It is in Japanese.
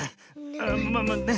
ああまあまあね